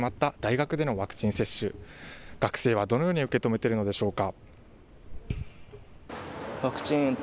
学生はどのように受け止めているのでしょうか。